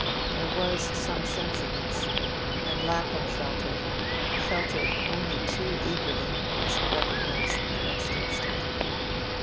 There was some sense in this, and Lapham felt it felt it only too eagerly, as he recognised the next instant.